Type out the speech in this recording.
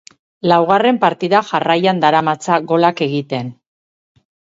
Laugarren partida jarraian daramatza golak egiten.